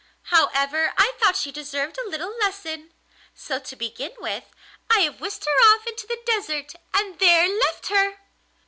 However, I thought she deserved a little lesson, so to begin with I have whisked her off into the desert, and there left her!